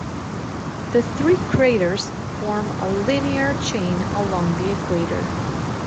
The three craters form a linear chain along the equator.